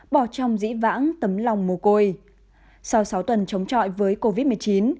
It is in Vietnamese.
bỏ trong dĩ vãng tấm lòng mồ côi